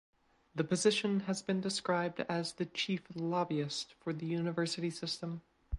The position has been described as the chief lobbyist for the university system.